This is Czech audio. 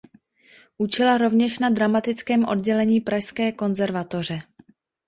Učila rovněž na dramatickém oddělení pražské konzervatoře.